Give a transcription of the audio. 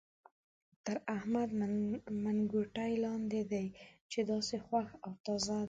تر احمد منګوټی لاندې دی چې داسې خوښ او تازه دی.